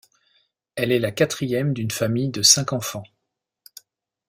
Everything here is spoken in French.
Elle est la quatrième d'une famille de cinq enfants.